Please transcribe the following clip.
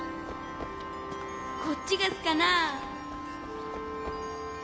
こっちがすかな？